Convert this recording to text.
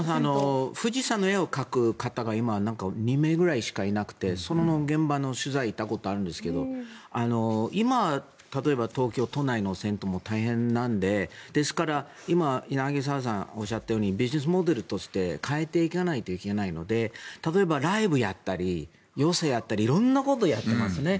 富士山の絵を描く方が今、２名ぐらいしかいなくてその現場の取材に行ったことがあるんですが今、例えば東京都内の銭湯も大変なのでですから、今柳澤さんがおっしゃったようにビジネスモデルとして変えていかないといけないので例えばライブをやったり寄席をやったり色んなことをやってますね。